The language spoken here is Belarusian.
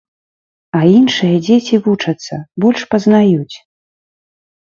А іншыя дзеці вучацца, больш пазнаюць.